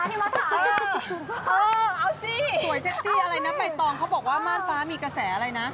อันตรงเขาบอกว่ามารฟ้ามีกระแสอะไรนะ